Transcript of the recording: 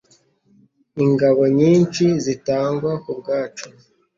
ingabo nyinshi zitangwa ku bwacu